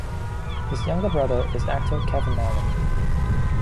His younger brother is actor Kevin Allen.